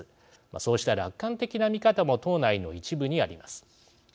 そうした楽観的な見方も党内の一部にあります。